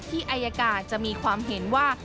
อายการจะมีความเห็นว่า